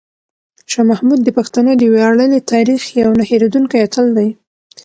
شاه محمود د پښتنو د ویاړلي تاریخ یو نه هېرېدونکی اتل دی.